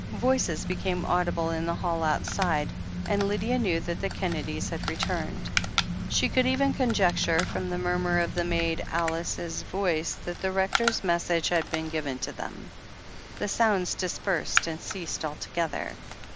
Voices became audible in the hall outside, and Lydia knew that the Kennedys had returned. She could even conjecture, from the murmur of the maid Alice's voice that the Rector's message had been given to them. The sounds dispersed and ceased altogether.